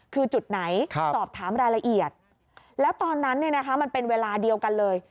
คือจุดไหนสอบถามรายละเอียดแล้วตอนนั้นมันเป็นเวลาเดียวกันเลย